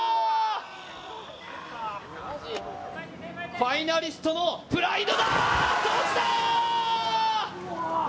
ファイナリストのプライドだ、落ちた。